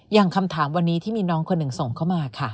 อย่างคำถามวันนี้ที่มีน้องคนหนึ่งส่งเข้ามาค่ะ